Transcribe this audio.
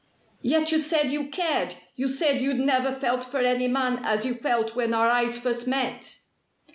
"Yet you said you cared! You said you'd never felt for any man as you felt when our eyes first met."